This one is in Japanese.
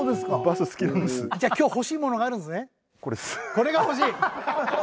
これが欲しい！